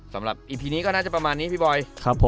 สำหรับอีพีนี้ก็น่าจะประมาณนี้พี่บอย